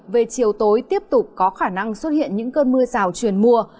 về chiều tối tiếp tục có khả năng xuất hiện những cơn mưa rào truyền mùa